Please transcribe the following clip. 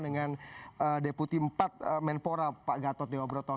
dengan deputi empat menpora pak gatot dewa broto